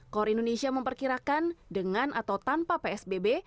kor indonesia memperkirakan dengan atau tanpa psbb